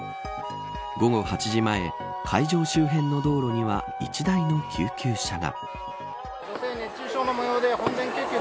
午後８時前会場周辺の道路には１台の救急車が。